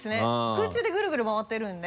空中でぐるぐる回ってるんで。